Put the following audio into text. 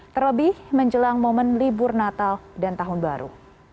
terlebih menjelang momen libur natal dan tahun baru